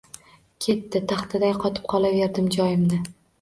Ketdi! Taxtaday qotib qolaverdim joyimda.